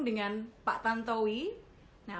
dengan pak tanto wiyahya